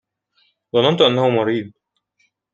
ظننت أنه مريض.